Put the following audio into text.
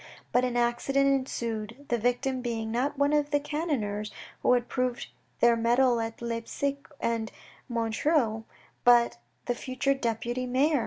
But an accident ensued, the victim being, not one of the cannoneers who had proved their mettle at Leipsic and at Montreuil, but the future deputy mayor, M.